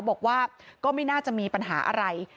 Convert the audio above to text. บอกว่าก็ไม่น่าจะมีปัญหาอะไร